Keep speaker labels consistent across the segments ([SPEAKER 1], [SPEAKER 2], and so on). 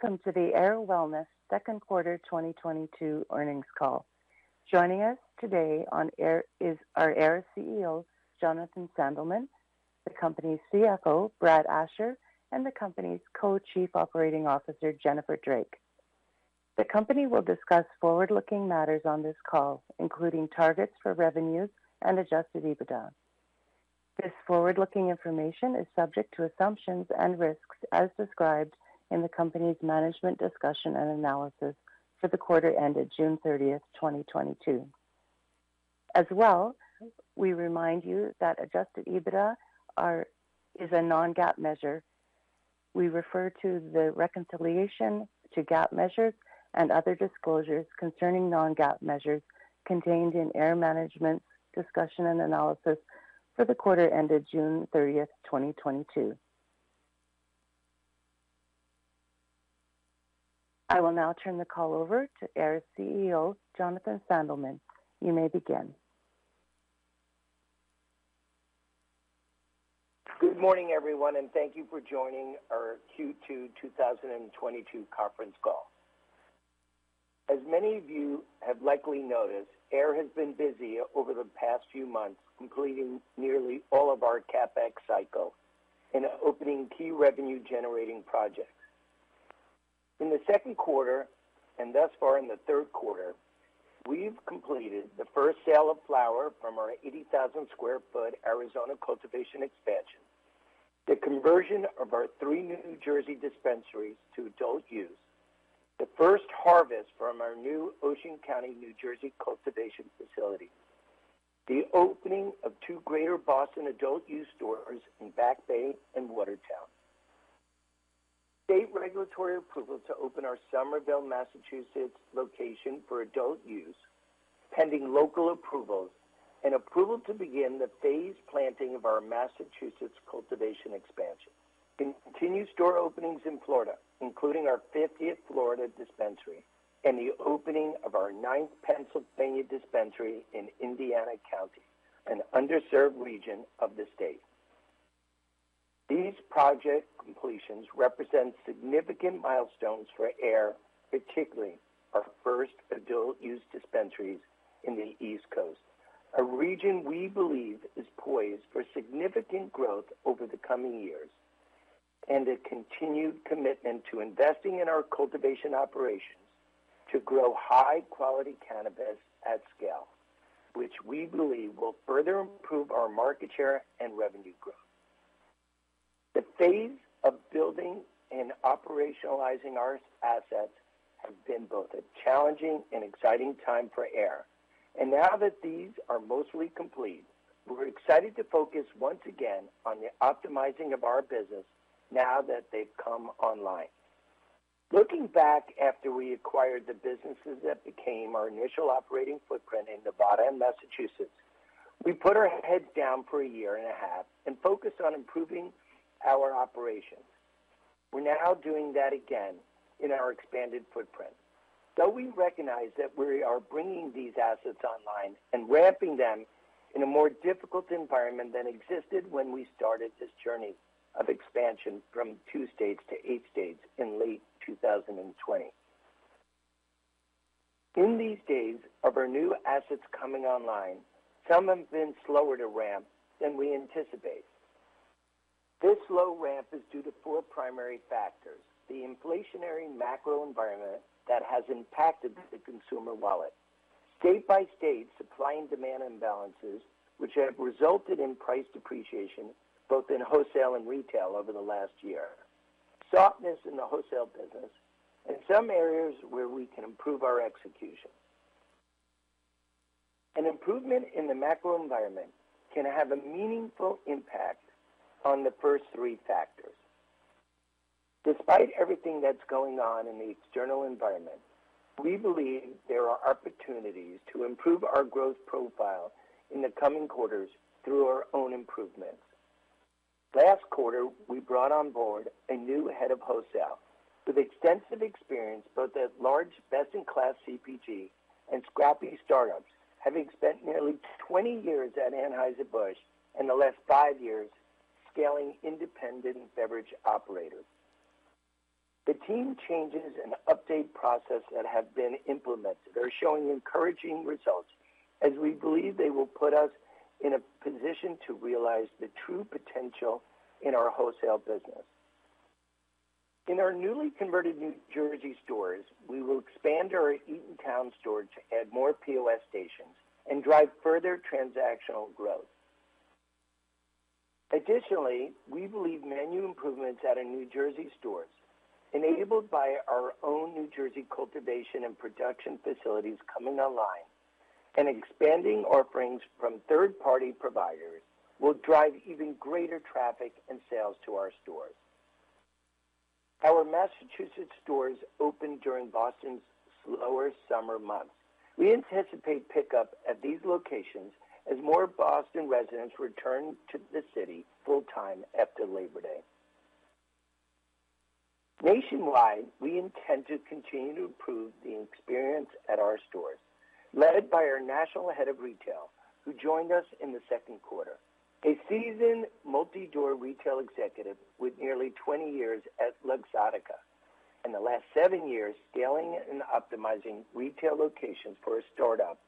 [SPEAKER 1] Welcome to the Ayr Wellness second quarter 2022 earnings call. Joining us today on Ayr is our Ayr's CEO, Jonathan Sandelman, the company's CFO, Brad Asher, and the company's Co-Chief Operating Officer, Jennifer Drake. The company will discuss forward-looking matters on this call, including targets for revenues and Adjusted EBITDA. This forward-looking information is subject to assumptions and risks as described in the company's management discussion and analysis for the quarter ended June 30, 2022. As well, we remind you that Adjusted EBITDA is a non-GAAP measure. We refer to the reconciliation to GAAP measures and other disclosures concerning non-GAAP measures contained in Ayr Wellness management's discussion and analysis for the quarter ended June 30, 2022. I will now turn the call over to Ayr's CEO, Jonathan Sandelman. You may begin.
[SPEAKER 2] Good morning, everyone, and thank you for joining our Q2 2022 conference call. As many of you have likely noticed, Ayr has been busy over the past few months, completing nearly all of our CapEx cycle and opening key revenue-generating projects. In the second quarter, and thus far in the third quarter, we've completed the first sale of flower from our 80,000 sq ft Arizona cultivation expansion, the conversion of our three New Jersey dispensaries to adult use, the first harvest from our new Ocean County, New Jersey, cultivation facility, the opening of three Greater Boston adult use stores in Back Bay and Watertown. State regulatory approval to open our Somerville, Massachusetts, location for adult use, pending local approvals, and approval to begin the phased planting of our Massachusetts cultivation expansion. Continued store openings in Florida, including our 50th Florida dispensary, and the opening of our 9th Pennsylvania dispensary in Indiana County, an underserved region of the state. These project completions represent significant milestones for Ayr, particularly our first adult use dispensaries in the East Coast, a region we believe is poised for significant growth over the coming years, and a continued commitment to investing in our cultivation operations to grow high-quality cannabis at scale, which we believe will further improve our market share and revenue growth. The phase of building and operationalizing our assets has been both a challenging and exciting time for Ayr. Now that these are mostly complete, we're excited to focus once again on the optimizing of our business now that they've come online. Looking back after we acquired the businesses that became our initial operating footprint in Nevada and Massachusetts, we put our heads down for a year and a half and focused on improving our operations. We're now doing that again in our expanded footprint, though we recognize that we are bringing these assets online and ramping them in a more difficult environment than existed when we started this journey of expansion from two states to eight states in late 2020. In the days of our new assets coming online, some have been slower to ramp than we anticipate. This slow ramp is due to four primary factors, the inflationary macro environment that has impacted the consumer wallet, state-by-state supply and demand imbalances, which have resulted in price depreciation both in wholesale and retail over the last year, softness in the wholesale business, and some areas where we can improve our execution. An improvement in the macro environment can have a meaningful impact on the first three factors. Despite everything that's going on in the external environment, we believe there are opportunities to improve our growth profile in the coming quarters through our own improvements. Last quarter, we brought on board a new head of wholesale with extensive experience, both at large best-in-class CPGs and scrappy startups, having spent nearly 20 years at Anheuser-Busch and the last five years scaling independent beverage operators. The team changes and update process that have been implemented are showing encouraging results as we believe they will put us in a position to realize the true potential in our wholesale business. In our newly converted New Jersey stores, we will expand our Eatontown store to add more POS stations and drive further transactional growth. Additionally, we believe menu improvements at our New Jersey stores, enabled by our own New Jersey cultivation and production facilities coming online, and expanding offerings from third-party providers will drive even greater traffic and sales to our stores. Our Massachusetts stores opened during Boston's slower summer months. We anticipate pickup at these locations as more Boston residents return to the city full-time after Labor Day. Nationwide, we intend to continue to improve the experience at our stores, led by our National Head of Retail, who joined us in the second quarter, a seasoned multi-door retail executive with nearly 20 years at Luxottica, and the last seven years scaling and optimizing retail locations for a startup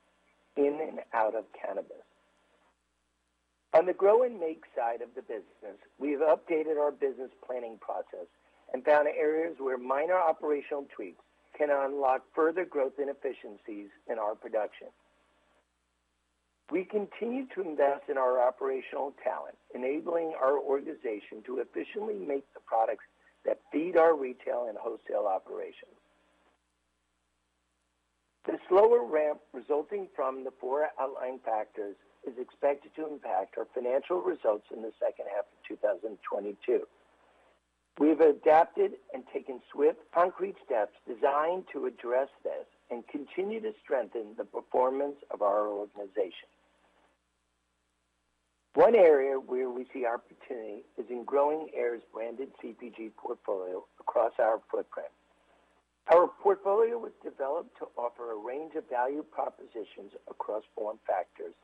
[SPEAKER 2] in and out of cannabis. On the grow and make side of the business, we have updated our business planning process and found areas where minor operational tweaks can unlock further growth and efficiencies in our production. We continue to invest in our operational talent, enabling our organization to efficiently make the products that feed our retail and wholesale operations. The slower ramp resulting from the four outlying factors is expected to impact our financial results in the second half of 2022. We've adapted and taken swift concrete steps designed to address this and continue to strengthen the performance of our organization. One area where we see opportunity is in growing Ayr's branded CPG portfolio across our footprint. Our portfolio was developed to offer a range of value propositions across form factors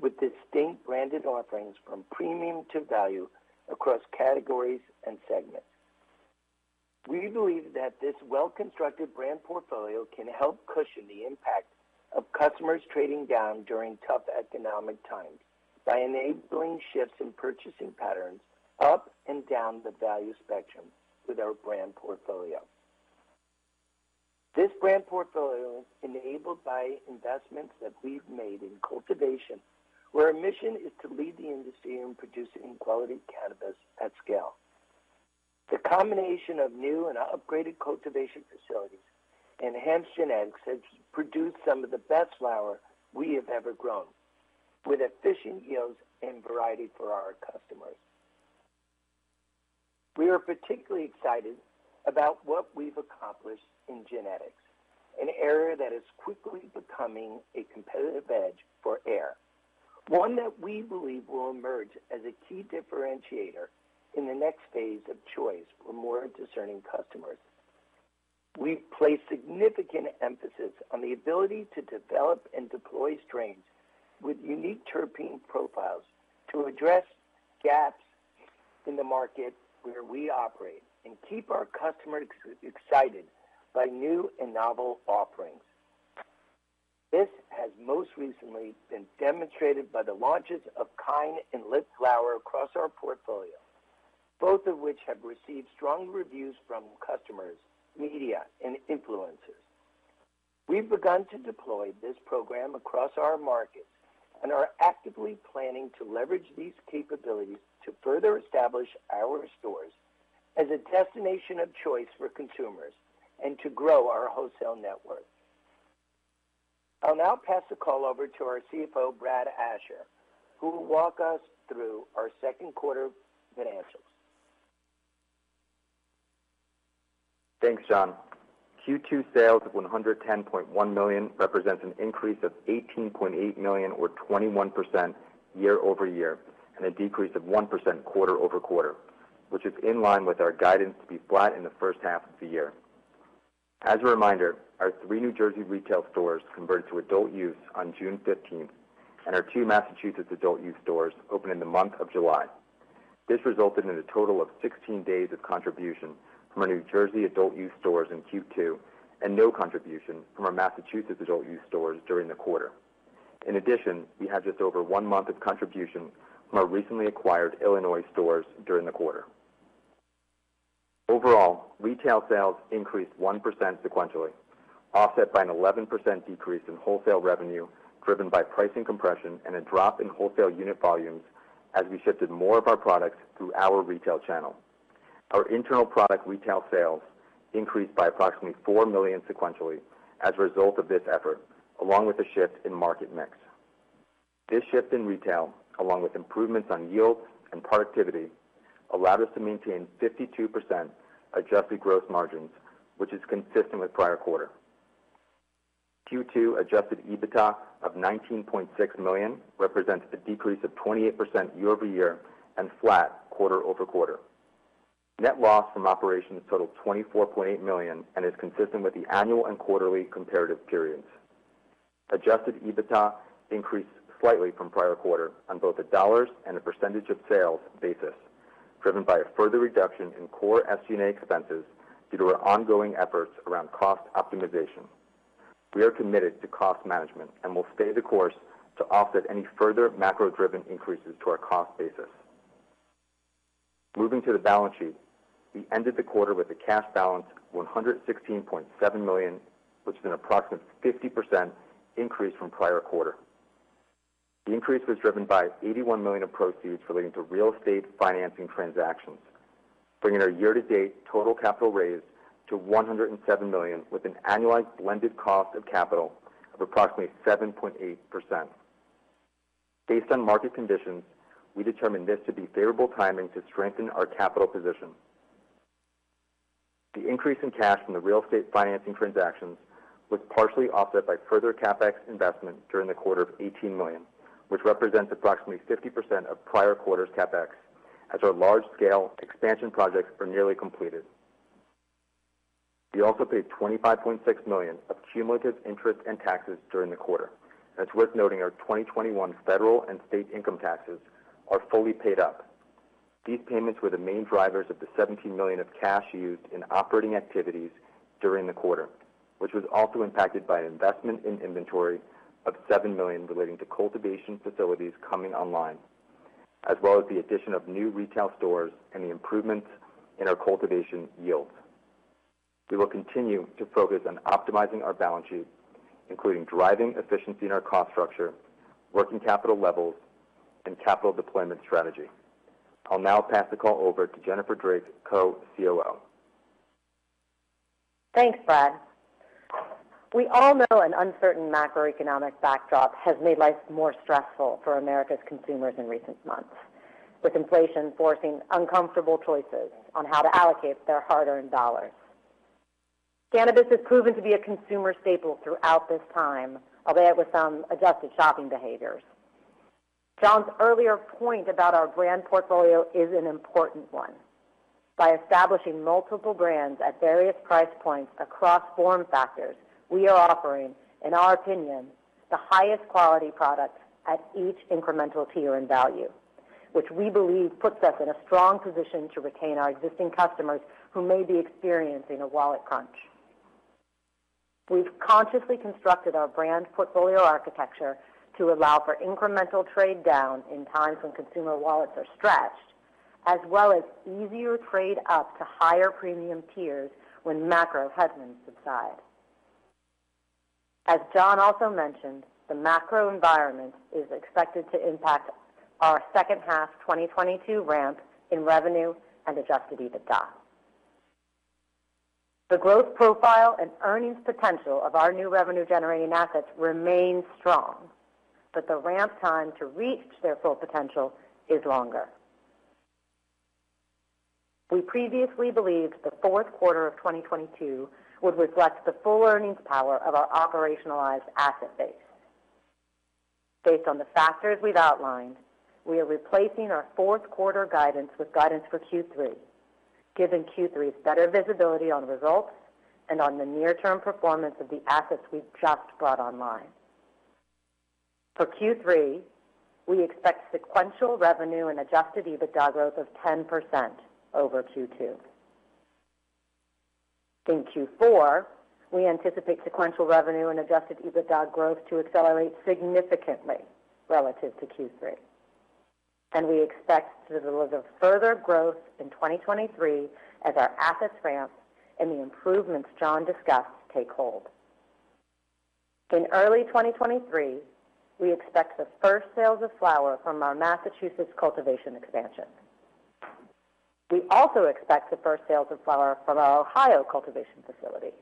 [SPEAKER 2] with distinct branded offerings from premium to value across categories and segments. We believe that this well-constructed brand portfolio can help cushion the impact of customers trading down during tough economic times by enabling shifts in purchasing patterns up and down the value spectrum with our brand portfolio. This brand portfolio is enabled by investments that we've made in cultivation, where our mission is to lead the industry in producing quality cannabis at scale. The combination of new and upgraded cultivation facilities, enhanced genetics has produced some of the best flower we have ever grown, with efficient yields and variety for our customers. We are particularly excited about what we've accomplished in genetics, an area that is quickly becoming a competitive edge for Ayr, one that we believe will emerge as a key differentiator in the next phase of choice for more discerning customers. We place significant emphasis on the ability to develop and deploy strains with unique terpene profiles to address gaps in the market where we operate and keep our customers excited by new and novel offerings. This has most recently been demonstrated by the launches of Kynd and Lit across our portfolio, both of which have received strong reviews from customers, media, and influencers. We've begun to deploy this program across our markets and are actively planning to leverage these capabilities to further establish our stores as a destination of choice for consumers and to grow our wholesale network. I'll now pass the call over to our CFO, Brad Asher, who will walk us through our second quarter financials.
[SPEAKER 3] Thanks, John. Q2 sales of 110.1 million represents an increase of 18.8 million or 21% year-over-year and a decrease of 1% quarter-over-quarter, which is in line with our guidance to be flat in the first half of the year. As a reminder, our three New Jersey retail stores converted to adult use on June fifteenth, and our two Massachusetts adult use stores opened in the month of July. This resulted in a total of 16 days of contribution from our New Jersey adult use stores in Q2 and no contribution from our Massachusetts adult use stores during the quarter. In addition, we had just over one month of contribution from our recently acquired Illinois stores during the quarter. Overall, retail sales increased 1% sequentially, offset by an 11% decrease in wholesale revenue, driven by pricing compression and a drop in wholesale unit volumes as we shifted more of our products through our retail channel. Our internal product retail sales increased by approximately 4 million sequentially as a result of this effort, along with a shift in market mix. This shift in retail, along with improvements on yields and productivity, allowed us to maintain 52% adjusted gross margins, which is consistent with prior quarter. Q2 adjusted EBITDA of 19.6 million represents a decrease of 28% year-over-year and flat quarter-over-quarter. Net loss from operations totaled 24.8 million and is consistent with the annual and quarterly comparative periods. Adjusted EBITDA increased slightly from prior quarter on both the dollars and a percentage-of-sales basis, driven by a further reduction in core SG&A expenses due to our ongoing efforts around cost optimization. We are committed to cost management and will stay the course to offset any further macro-driven increases to our cost basis. Moving to the balance sheet, we ended the quarter with a cash balance of $116.7 million, which is an approximate 50% increase from prior quarter. The increase was driven by 81 million of proceeds relating to real estate financing transactions, bringing our year-to-date total capital raise to 107 million with an annualized blended cost of capital of approximately 7.8%. Based on market conditions, we determined this to be favorable timing to strengthen our capital position. The increase in cash from the real estate financing transactions was partially offset by further CapEx investment during the quarter of 18 million, which represents approximately 50% of prior quarter's CapEx as our large-scale expansion projects are nearly completed. We also paid 25.6 million of cumulative interest and taxes during the quarter. It's worth noting our 2021 federal and state income taxes are fully paid up. These payments were the main drivers of the 17 million of cash used in operating activities during the quarter, which was also impacted by an investment in inventory of 7 million relating to cultivation facilities coming online, as well as the addition of new retail stores and the improvements in our cultivation yields. We will continue to focus on optimizing our balance sheet, including driving efficiency in our cost structure, working capital levels, and capital deployment strategy. I'll now pass the call over to Jennifer Drake, Co-COO.
[SPEAKER 4] Thanks, Brad. We all know an uncertain macroeconomic backdrop has made life more stressful for America's consumers in recent months, with inflation forcing uncomfortable choices on how to allocate their hard-earned dollars. Cannabis has proven to be a consumer staple throughout this time, albeit with some adjusted shopping behaviors. John's earlier point about our brand portfolio is an important one. By establishing multiple brands at various price points across form factors, we are offering, in our opinion, the highest quality products at each incremental tier in value, which we believe puts us in a strong position to retain our existing customers who may be experiencing a wallet crunch. We've consciously constructed our brand portfolio architecture to allow for incremental trade down in times when consumer wallets are stretched, as well as easier trade up to higher premium tiers when macro headwinds subside. As John also mentioned, the macro environment is expected to impact our second half 2022 ramp in revenue and Adjusted EBITDA. The growth profile and earnings potential of our new revenue-generating assets remains strong, but the ramp time to reach their full potential is longer. We previously believed the fourth quarter of 2022 would reflect the full earnings power of our operationalized asset base. Based on the factors we've outlined, we are replacing our fourth quarter guidance with guidance for Q3, given Q3's better visibility on results and on the near-term performance of the assets we've just brought online. For Q3, we expect sequential revenue and Adjusted EBITDA growth of 10% over Q2. In Q4, we anticipate sequential revenue and Adjusted EBITDA growth to accelerate significantly relative to Q3. We expect to deliver further growth in 2023 as our assets ramp and the improvements John discussed take hold. In early 2023, we expect the first sales of flower from our Massachusetts cultivation expansion. We also expect the first sales of flower from our Ohio cultivation facility.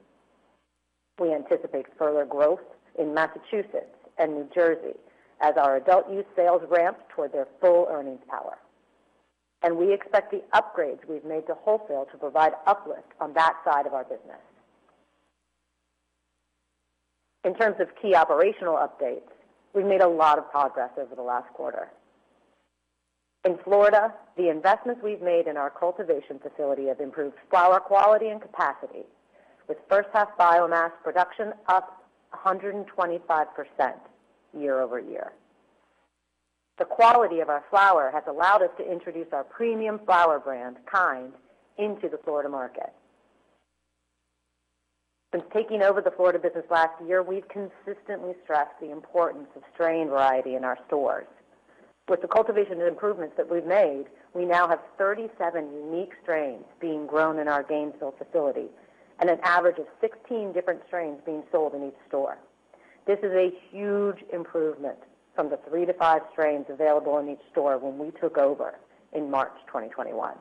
[SPEAKER 4] We anticipate further growth in Massachusetts and New Jersey as our adult use sales ramp toward their full earnings power. We expect the upgrades we've made to wholesale to provide uplift on that side of our business. In terms of key operational updates, we've made a lot of progress over the last quarter. In Florida, the investments we've made in our cultivation facility have improved flower quality and capacity, with first half biomass production up 125% year-over-year. The quality of our flower has allowed us to introduce our premium flower brand, Kynd, into the Florida market. Since taking over the Florida business last year, we've consistently stressed the importance of strain variety in our stores. With the cultivation improvements that we've made, we now have 37 unique strains being grown in our Gainesville facility and an average of 16 different strains being sold in each store. This is a huge improvement from the three-five strains available in each store when we took over in March 2021.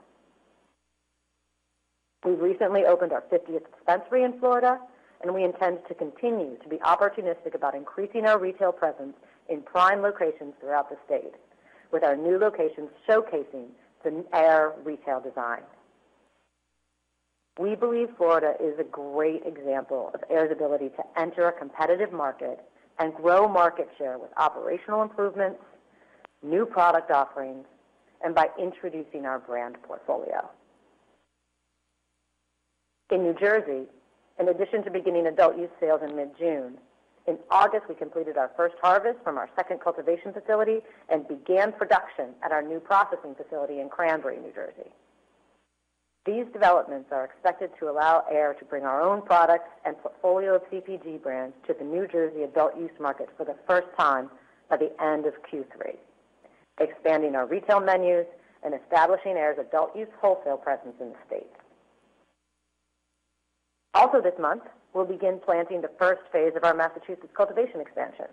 [SPEAKER 4] We recently opened our 50th dispensary in Florida, and we intend to continue to be opportunistic about increasing our retail presence in prime locations throughout the state, with our new locations showcasing the AYR retail design. We believe Florida is a great example of Ayr's ability to enter a competitive market and grow market share with operational improvements, new product offerings, and by introducing our brand portfolio. In New Jersey, in addition to beginning adult use sales in mid-June, in August, we completed our first harvest from our second cultivation facility and began production at our new processing facility in Cranbury, New Jersey. These developments are expected to allow Ayr to bring our own products and portfolio of CPG brands to the New Jersey adult use market for the first time by the end of Q3, expanding our retail menus and establishing Ayr's adult use wholesale presence in the state. Also this month, we'll begin planting the first phase of our Massachusetts cultivation expansion.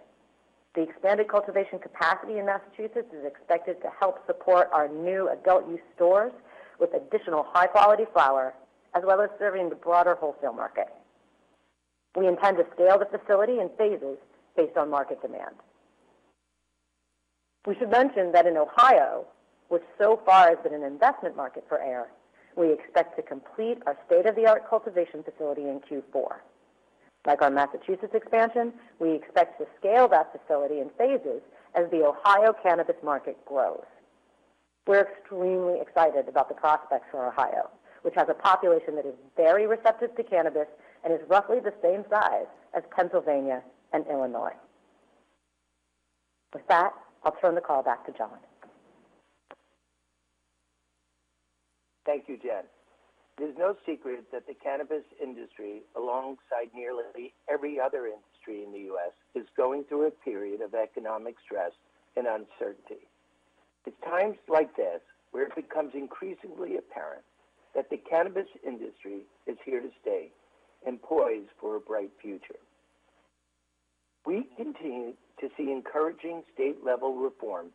[SPEAKER 4] The expanded cultivation capacity in Massachusetts is expected to help support our new adult use stores with additional high-quality flower, as well as serving the broader wholesale market. We intend to scale the facility in phases based on market demand. We should mention that in Ohio, which so far has been an investment market for Ayr, we expect to complete our state-of-the-art cultivation facility in Q4. Like our Massachusetts expansion, we expect to scale that facility in phases as the Ohio cannabis market grows. We're extremely excited about the prospects for Ohio, which has a population that is very receptive to cannabis and is roughly the same size as Pennsylvania and Illinois. With that, I'll turn the call back to John.
[SPEAKER 2] Thank you, Jen. It is no secret that the cannabis industry, alongside nearly every other industry in the U.S., is going through a period of economic stress and uncertainty. It's times like this where it becomes increasingly apparent that the cannabis industry is here to stay and poised for a bright future. We continue to see encouraging state-level reform,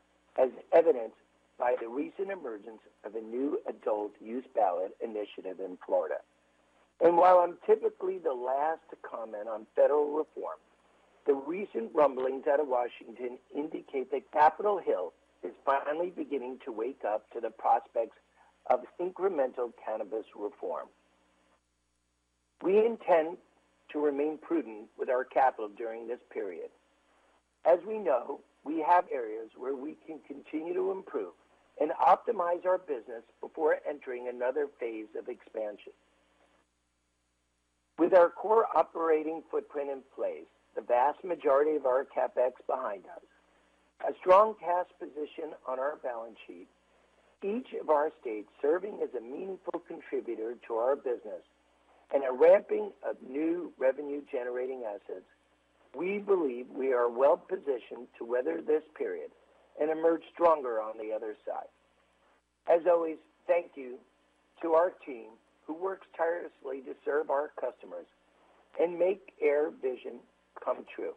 [SPEAKER 2] as evidenced by the recent emergence of a new adult-use ballot initiative in Florida. While I'm typically the last to comment on federal reform, the recent rumblings out of Washington indicate that Capitol Hill is finally beginning to wake up to the prospects of incremental cannabis reform. We intend to remain prudent with our capital during this period. As we know, we have areas where we can continue to improve and optimize our business before entering another phase of expansion. With our core operating footprint in place, the vast majority of our CapEx behind us, a strong cash position on our balance sheet, each of our states serving as a meaningful contributor to our business, and a ramping of new revenue-generating assets, we believe we are well-positioned to weather this period and emerge stronger on the other side. As always, thank you to our team who works tirelessly to serve our customers and make our vision come true.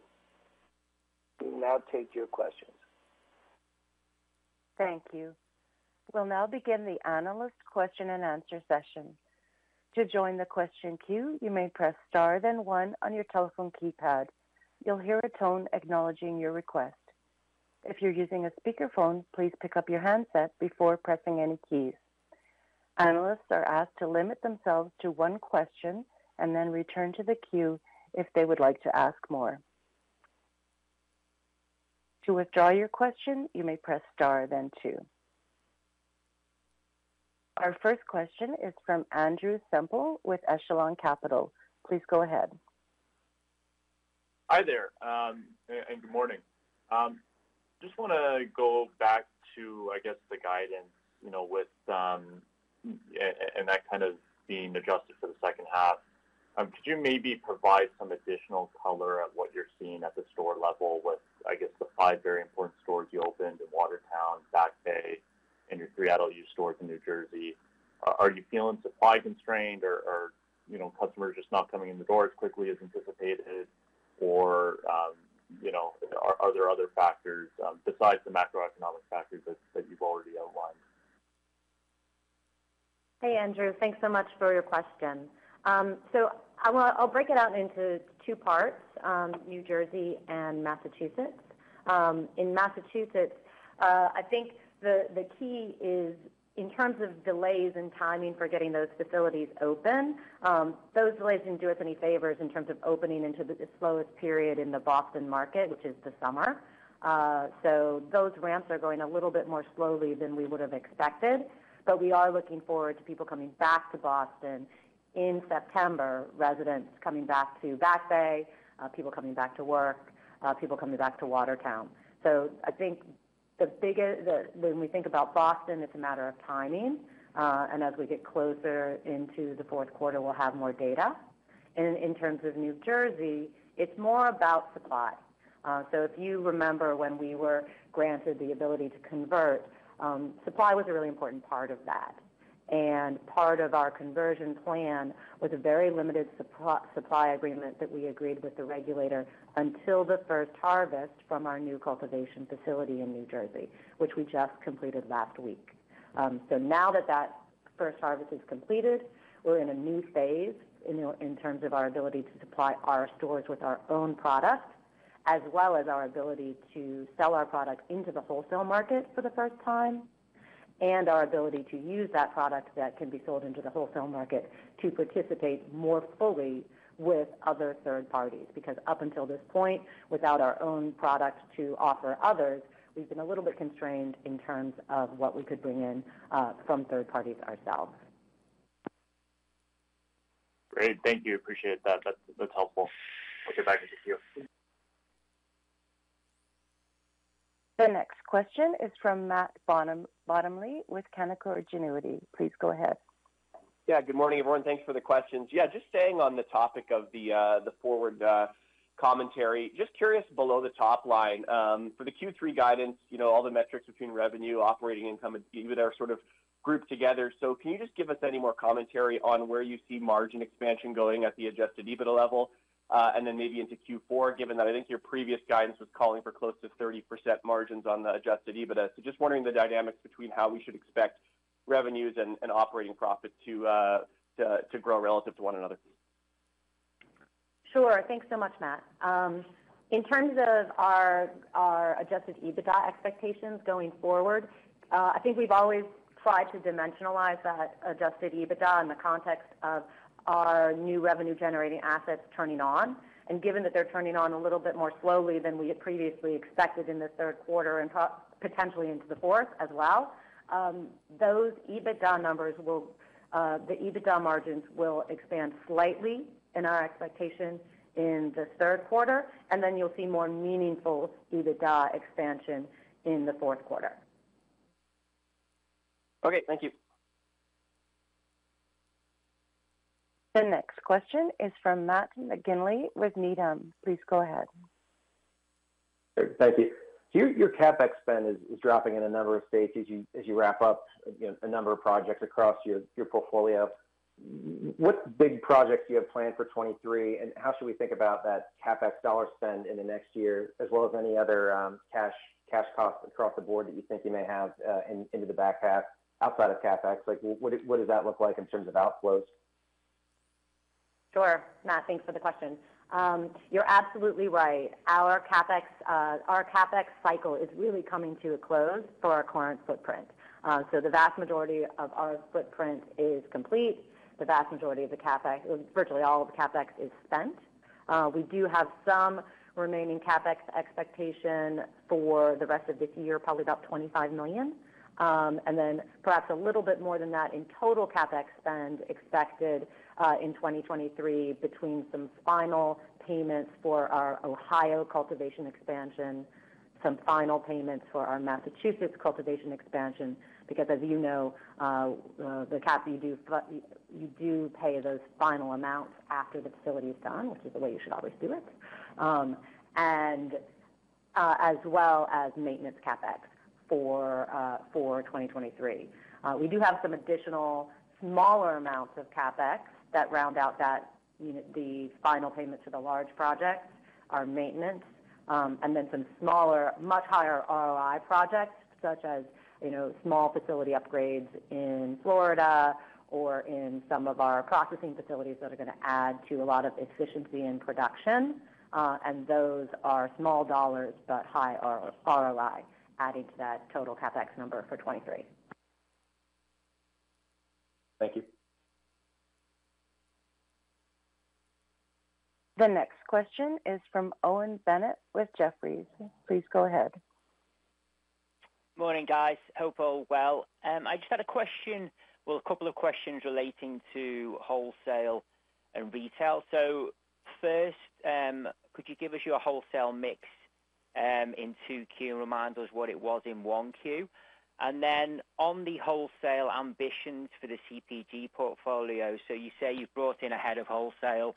[SPEAKER 2] We will now take your questions.
[SPEAKER 1] Thank you. We'll now begin the analyst question-and-answer session. To join the question queue, you may press star then one on your telephone keypad. You'll hear a tone acknowledging your request. If you're using a speakerphone, please pick up your handset before pressing any keys. Analysts are asked to limit themselves to one question and then return to the queue if they would like to ask more. To withdraw your question, you may press star then two. Our first question is from Andrew Semple with Echelon Capital Markets. Please go ahead.
[SPEAKER 5] Hi there, good morning. Just want to go back to, I guess, the guidance, you know, with, and that kind of being adjusted for the second half. Could you maybe provide some additional color on what you're seeing at the store level with, I guess, the five very important stores you opened in Watertown, Back Bay, and your three adult-use stores in New Jersey? Are you feeling supply-constrained or, you know, customers just not coming in the door as quickly as anticipated? Or, you know, are there other factors besides the macroeconomic factors that you've already outlined?
[SPEAKER 4] Hey, Andrew. Thanks so much for your question. I'll break it out into two parts, New Jersey and Massachusetts. In Massachusetts, I think the key is in terms of delays in timing for getting those facilities open, those delays didn't do us any favors in terms of opening into the slowest period in the Boston market, which is the summer. Those ramps are going a little bit more slowly than we would have expected. We are looking forward to people coming back to Boston in September, residents coming back to Back Bay, people coming back to work, people coming back to Watertown. I think when we think about Boston, it's a matter of timing. As we get closer into the fourth quarter, we'll have more data. In terms of New Jersey, it's more about supply. If you remember when we were granted the ability to convert, supply was a really important part of that. Part of our conversion plan was a very limited supply agreement that we agreed with the regulator until the first harvest from our new cultivation facility in New Jersey, which we just completed last week. Now that that first harvest is completed, we're in a new phase in terms of our ability to supply our stores with our own product, as well as our ability to sell our product into the wholesale market for the first time, and our ability to use that product that can be sold into the wholesale market to participate more fully with other third parties. Because up until this point, without our own product to offer others, we've been a little bit constrained in terms of what we could bring in from third parties ourselves.
[SPEAKER 5] Great. Thank you. Appreciate that. That's helpful. We'll get back to the queue.
[SPEAKER 1] The next question is from Matt Bottomley with Canaccord Genuity. Please go ahead.
[SPEAKER 6] Yeah, good morning, everyone. Thanks for the questions. Yeah, just staying on the topic of the forward commentary. Just curious below the top line for the Q3 guidance, you know, all the metrics between revenue, operating income, EBITDA sort of grouped together. Can you just give us any more commentary on where you see margin expansion going at the Adjusted EBITDA level, and then maybe into Q4, given that I think your previous guidance was calling for close to 30% margins on the Adjusted EBITDA. Just wondering the dynamics between how we should expect revenues and operating profit to grow relative to one another.
[SPEAKER 4] Sure. Thanks so much, Matt. In terms of our Adjusted EBITDA expectations going forward, I think we've always tried to dimensionalize that Adjusted EBITDA in the context of our new revenue-generating assets turning on. Given that they're turning on a little bit more slowly than we had previously expected in the third quarter and potentially into the fourth as well, the EBITDA margins will expand slightly in our expectations in the third quarter, and then you'll see more meaningful EBITDA expansion in the fourth quarter.
[SPEAKER 6] Okay. Thank you.
[SPEAKER 1] The next question is from Matt McGinley with Needham. Please go ahead.
[SPEAKER 7] Thank you. Your CapEx spend is dropping in a number of states as you wrap up, you know, a number of projects across your portfolio. What big projects do you have planned for 2023, and how should we think about that CapEx dollar spend in the next year, as well as any other cash costs across the board that you think you may have into the back half outside of CapEx? Like, what does that look like in terms of outflows?
[SPEAKER 4] Sure. Matt, thanks for the question. You're absolutely right. Our CapEx cycle is really coming to a close for our current footprint. The vast majority of our footprint is complete. The vast majority of the CapEx, virtually all of the CapEx is spent. We do have some remaining CapEx expectation for the rest of this year, probably about 25 million, and then perhaps a little bit more than that in total CapEx spend expected in 2023 between some final payments for our Ohio cultivation expansion, some final payments for our Massachusetts cultivation expansion. Because as you know, you do pay those final amounts after the facility is done, which is the way you should always do it, as well as maintenance CapEx for 2023. We do have some additional smaller amounts of CapEx that round out the final payment to the large projects, our maintenance, and then some smaller, much higher ROI projects, such as, you know, small facility upgrades in Florida or in some of our processing facilities that are going to add to a lot of efficiency and production, and those are small dollars, but high ROI, adding to that total CapEx number for 2023.
[SPEAKER 7] Thank you.
[SPEAKER 1] The next question is from Owen Bennett with Jefferies. Please go ahead.
[SPEAKER 8] Morning, guys. Hope all well. I just had a question, well, a couple of questions relating to wholesale and retail. First, could you give us your wholesale mix in 2Q and remind us what it was in 1Q? On the wholesale ambitions for the CPG portfolio, you say you've brought in a head of wholesale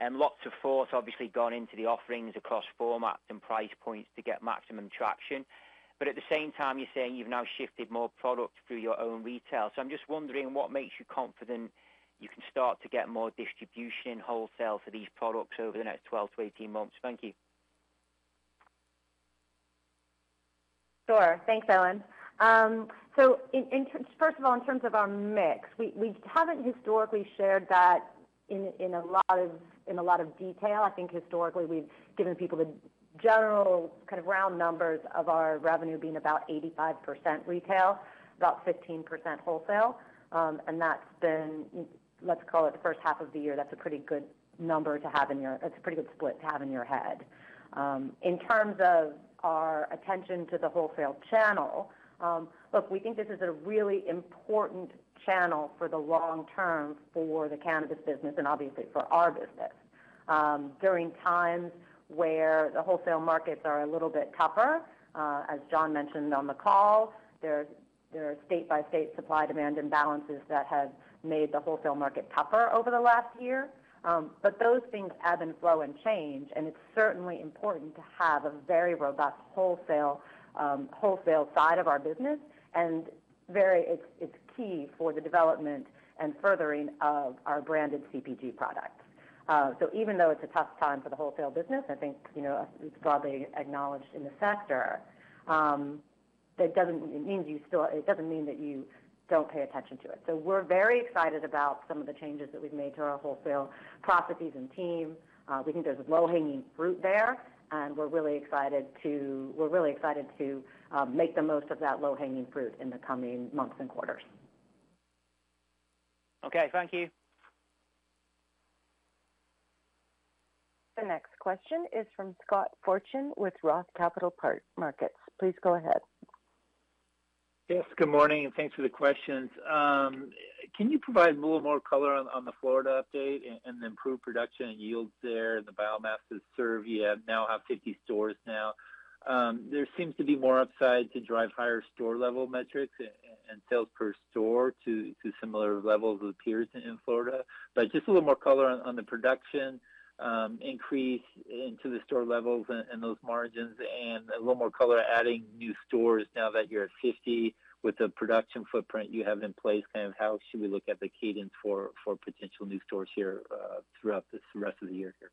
[SPEAKER 8] and lots of thought obviously gone into the offerings across formats and price points to get maximum traction. At the same time, you're saying you've now shifted more product through your own retail. I'm just wondering what makes you confident you can start to get more distribution wholesale for these products over the next 12-18 months. Thank you.
[SPEAKER 4] Sure. Thanks, Owen. In terms of our mix, we haven't historically shared that in a lot of detail. I think historically we've given people the general kind of round numbers of our revenue being about 85% retail, about 15% wholesale. That's been, let's call it the first half of the year. That's a pretty good number to have in your head. In terms of our attention to the wholesale channel, look, we think this is a really important channel for the long term for the cannabis business and obviously for our business. During times where the wholesale markets are a little bit tougher, as John mentioned on the call, there are state-by-state supply-demand imbalances that have made the wholesale market tougher over the last year. Those things ebb and flow and change, and it's certainly important to have a very robust wholesale side of our business. It's key for the development and furthering of our branded CPG products. Even though it's a tough time for the wholesale business, I think, you know, it's broadly acknowledged in the sector, that it doesn't mean that you don't pay attention to it. We're very excited about some of the changes that we've made to our wholesale properties and team. We think there's low-hanging fruit there, and we're really excited to make the most of that low-hanging fruit in the coming months and quarters.
[SPEAKER 8] Okay. Thank you.
[SPEAKER 1] The next question is from Scott Fortune with ROTH Capital Partners. Please go ahead.
[SPEAKER 9] Yes, good morning, and thanks for the questions. Can you provide a little more color on the Florida update and the improved production and yields there, and the biomass that's served? You now have 50 stores. There seems to be more upside to drive higher store-level metrics and sales per store to similar levels with peers in Florida. Just a little more color on the production increase into the store levels and those margins, and a little more color adding new stores now that you're at 50 with the production footprint you have in place. Kind of how should we look at the cadence for potential new stores here throughout the rest of the year here?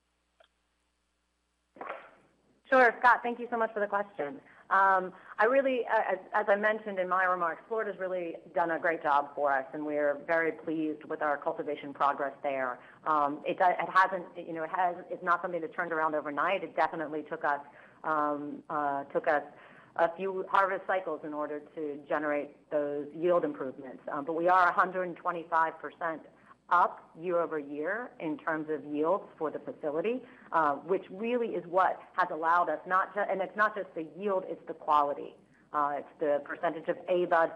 [SPEAKER 4] Sure. Scott, thank you so much for the question. I really, as I mentioned in my remarks, Florida's really done a great job for us, and we're very pleased with our cultivation progress there. It hasn't, you know, it's not something that's turned around overnight. It definitely took us a few harvest cycles in order to generate those yield improvements. But we are 125% up year-over-year in terms of yields for the facility, which really is what has allowed us not to. It's not just the yield, it's the quality. It's the percentage of A-bud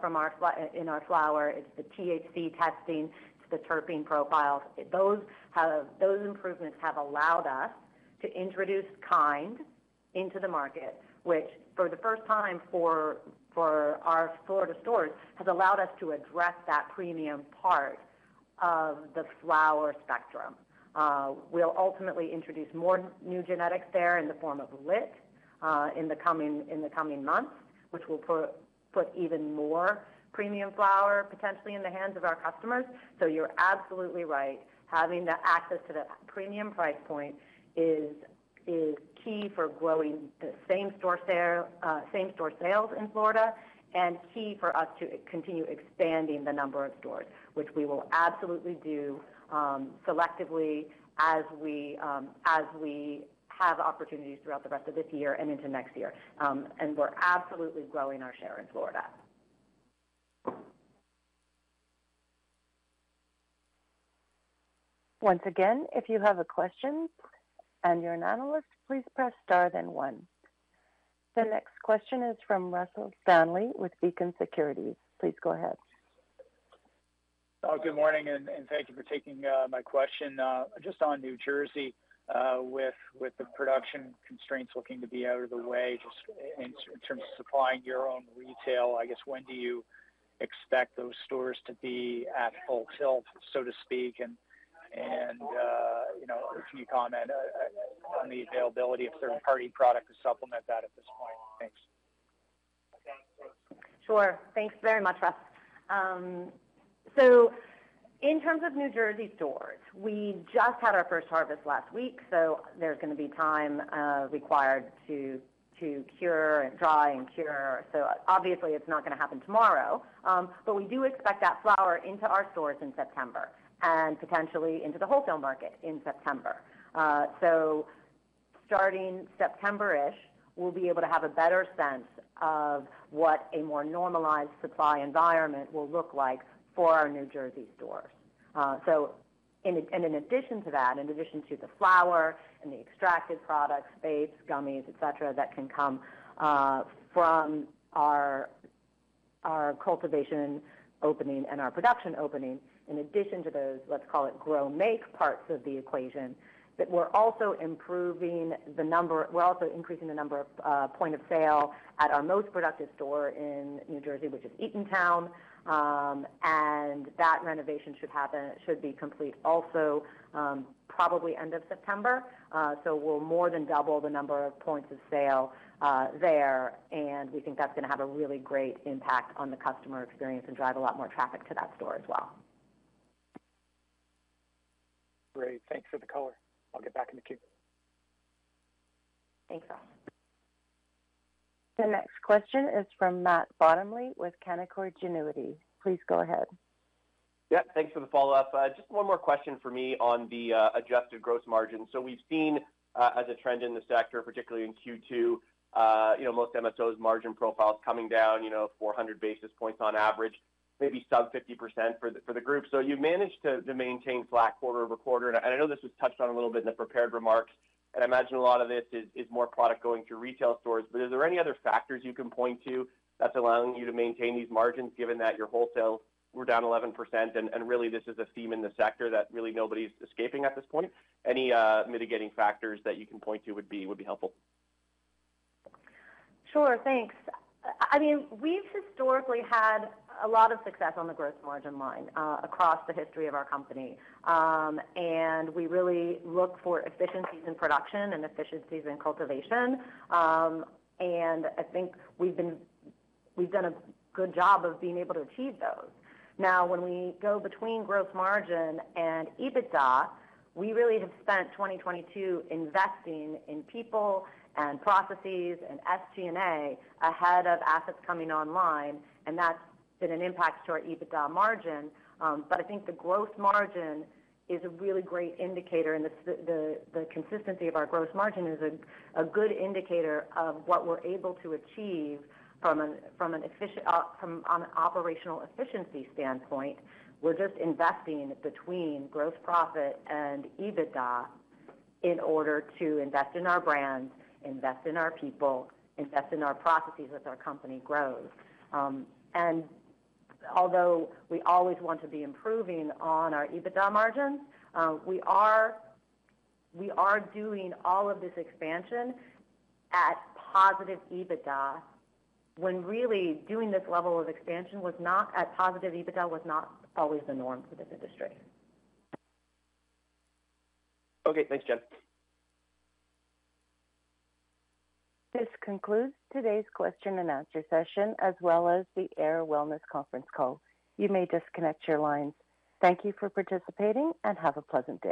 [SPEAKER 4] in our flower. It's the THC testing. It's the terpene profiles. Those improvements have allowed us to introduce Kynd into the market, which for the first time for our Florida stores, has allowed us to address that premium part of the flower spectrum. We'll ultimately introduce more new genetics there in the form of Lit in the coming months, which will put even more premium flower potentially in the hands of our customers. You're absolutely right. Having access to the premium price point is key for growing same-store sales in Florida, and key for us to continue expanding the number of stores, which we will absolutely do selectively as we have opportunities throughout the rest of this year and into next year. We're absolutely growing our share in Florida.
[SPEAKER 1] Once again, if you have a question and you're an analyst, please press star then one. The next question is from Russell Stanley with Beacon Securities. Please go ahead.
[SPEAKER 10] Oh, good morning, and thank you for taking my question. Just on New Jersey, with the production constraints looking to be out of the way, just in terms of supplying your own retail, I guess, when do you expect those stores to be at full tilt, so to speak? You know, if you comment on the availability of third-party product to supplement that at this point. Thanks.
[SPEAKER 4] Sure. Thanks very much, Russ. In terms of New Jersey stores, we just had our first harvest last week, so there's going to be time required to cure and dry and cure. Obviously it's not going to happen tomorrow. We do expect that flower into our stores in September and potentially into the wholesale market in September. Starting September-ish, we'll be able to have a better sense of what a more normalized supply environment will look like for our New Jersey stores. In addition to that, in addition to the flower and the extracted products, vapes, gummies, etc., that can come from our cultivation opening and our production opening, in addition to those, let's call it grow-make parts of the equation, we're also increasing the number of point of sale at our most productive store in New Jersey, which is Eatontown. That renovation should be complete also, probably end of September. We'll more than double the number of points of sale there, and we think that's going to have a really great impact on the customer experience and drive a lot more traffic to that store as well.
[SPEAKER 10] Great. Thanks for the color. I'll get back in the queue.
[SPEAKER 4] Thanks, Russ.
[SPEAKER 1] The next question is from Matt Bottomley with Canaccord Genuity. Please go ahead.
[SPEAKER 6] Yeah, thanks for the follow-up. Just one more question for me on the adjusted gross margin. We've seen as a trend in the sector, particularly in Q2, you know, most MSOs margin profiles coming down, you know, 400 basis points on average, maybe sub 50% for the group. You've managed to maintain flat quarter-over-quarter. I know this was touched on a little bit in the prepared remarks, and I imagine a lot of this is more product going to retail stores. Is there any other factors you can point to that's allowing you to maintain these margins given that your wholesale were down 11%, and really this is a theme in the sector that really nobody's escaping at this point? Any mitigating factors that you can point to would be helpful.
[SPEAKER 4] Sure. Thanks. I mean, we've historically had a lot of success on the gross margin line, across the history of our company. We really look for efficiencies in production and efficiencies in cultivation. I think we've done a good job of being able to achieve those. Now, when we go between gross margin and EBITDA, we really have spent 2022 investing in people and processes and SG&A ahead of assets coming online, and that's been an impact to our EBITDA margin. I think the gross margin is a really great indicator, and the consistency of our gross margin is a good indicator of what we're able to achieve from an operational efficiency standpoint. We're just investing between gross profit and EBITDA in order to invest in our brands, invest in our people, invest in our processes as our company grows. Although we always want to be improving on our EBITDA margins, we are doing all of this expansion at positive EBITDA, when really doing this level of expansion was not at positive EBITDA, was not always the norm for this industry.
[SPEAKER 6] Okay. Thanks, Jen.
[SPEAKER 1] This concludes today's question and answer session, as well as the Ayr Wellness conference call. You may disconnect your lines. Thank you for participating and have a pleasant day.